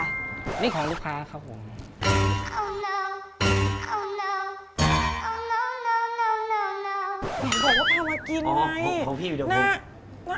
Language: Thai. นี่ของลูกค้าครับผม